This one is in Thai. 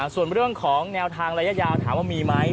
ส่วนเรื่องของแนวทางระยะยาวถามว่ามีไหม